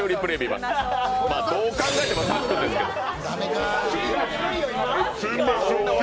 まあ、どう考えてもさっくんですけど。